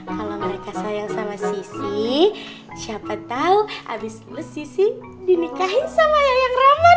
kalau mereka sayang sama sissy siapa tau abis lo sissy dinikahi sama yayang roman